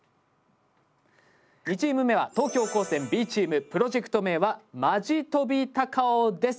２チーム目は東京高専Ｂチームプロジェクト名は「Ｍｔ．高尾」です。